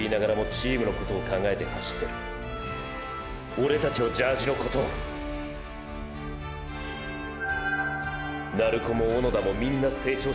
オレたちのジャージのことを鳴子も小野田もみんな成長した。